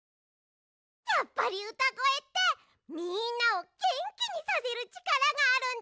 やっぱりうたごえってみんなをげんきにさせるちからがあるんだね！